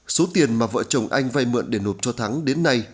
số tiền mà vợ chồng anh vay mượn để nộp cho thắng đến nay